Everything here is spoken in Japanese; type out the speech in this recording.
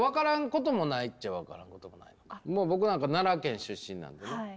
もう僕なんか奈良県出身なんでね。